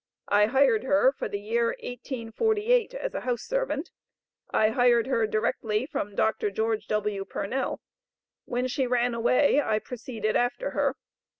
I hired her for the year 1848 as a house servant; I hired her directly from Dr. George W. Purnell. When she ran away I proceeded after her.